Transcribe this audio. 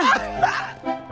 oh tak ah